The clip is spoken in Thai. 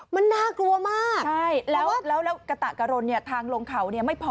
มันน่ากลัวมากใช่